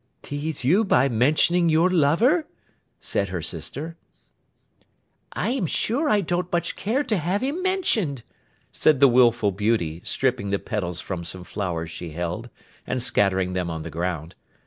'Tease you by mentioning your lover?' said her sister. 'I am sure I don't much care to have him mentioned,' said the wilful beauty, stripping the petals from some flowers she held, and scattering them on the ground.